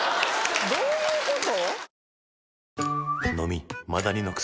どういうこと？